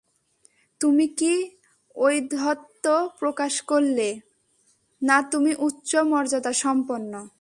তুমি কি ঔদ্ধত্য প্রকাশ করলে, না তুমি উচ্চ মর্যাদাসম্পন্ন?